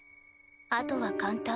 あとは簡単。